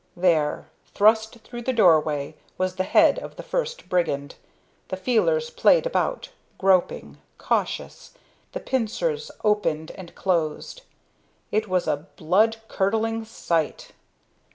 There, thrust through the doorway, was the head of the first brigand. The feelers played about, groping, cautious, the pincers opened and closed. It was a blood curdling sight.